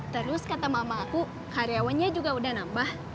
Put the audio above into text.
terus kata mama aku karyawannya juga udah nambah